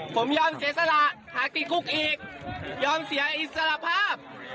ผมยอมเสียสละหากติดคุกอีกยอมเสียอิสระภาพ